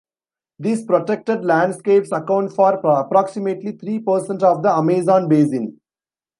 These protected landscapes account for approximately three percent of the Amazon Basin.